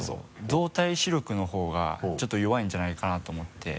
動体視力の方がちょっと弱いんじゃないかなと思って。